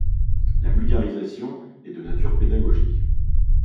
La vulgarisation est de nature pédagogique.